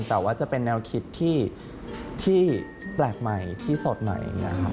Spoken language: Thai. แต่ว่าจะเป็นแนวคิดที่แปลกใหม่ที่สดใหม่